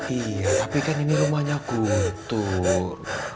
iya tapi kan ini rumahnya kultur